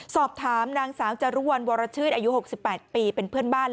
สอบถามนางสาวจารุวัลวรชื่นอายุ๖๘ปีเป็นเพื่อนบ้าน